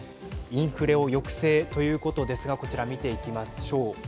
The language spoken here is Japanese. インフレを抑制ということですがこちら見ていきましょう。